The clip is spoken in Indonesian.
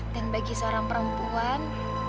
dan bagi seorang perempuan